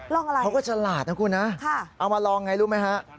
ลองอะไรเขาก็ฉลาดนะครับคุณฮะเอามาลองอย่างไรรู้ไหมครับ